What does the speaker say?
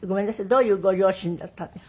どういうご両親だったんですか？